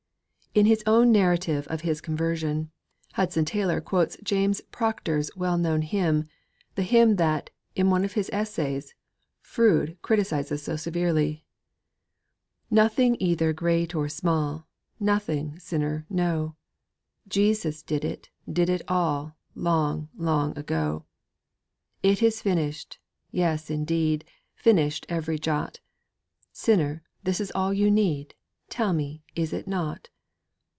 V In his own narrative of his conversion, Hudson Taylor quotes James Proctor's well known hymn the hymn that, in one of his essays, Froude criticizes so severely: Nothing either great or small, Nothing, sinner, no; Jesus did it, did it all, Long, long ago. 'It is Finished!' yes, indeed, Finished every jot; Sinner, this is all you need; Tell me, is it not?